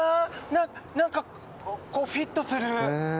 な何かフィットする。